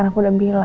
udah udah bercerita